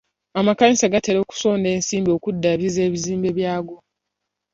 Amakanisa gatera okusonda ensimbi okuddabiriza ebizimbe byago.